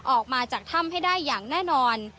ออกมาจากถ้ำให้ได้อย่างแน่นอน